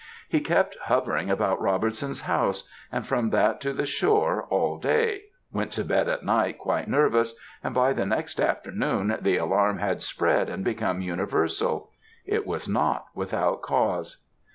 He kept hovering about Robertson's house, and from that to the shore all day; went to bed at night quite nervous; and by the next afternoon the alarm had spread and become universal. It was not without cause.